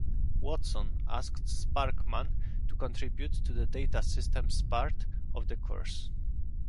Watson asked Sparkman to contribute to the data systems part of the course.